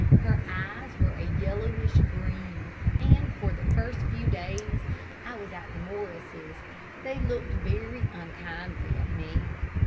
Her eyes were a yellowish green, and for the first few days I was at the Morrises' they looked very unkindly at me.